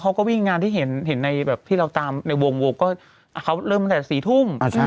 เขาก็วิ่งงานที่เห็นในแบบที่เราตามในวงก็เขาเริ่มตั้งแต่๔ทุ่ม